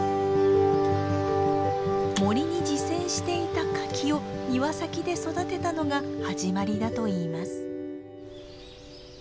森に自生していた柿を庭先で育てたのが始まりだといいます。